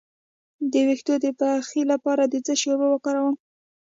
د ویښتو د پخې لپاره د څه شي اوبه وکاروم؟